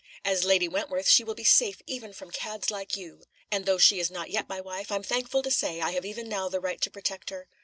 As Lady Wentworth she will be safe even from cads like you; and though she is not yet my wife, I'm thankful to say I have even now the right to protect her.